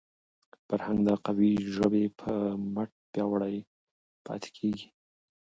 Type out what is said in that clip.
فرهنګ د قوي ژبي په مټ پیاوړی پاتې کېږي.